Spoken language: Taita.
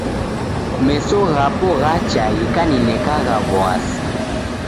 Meso ghapo ghacha ghikaninekagha w'asi.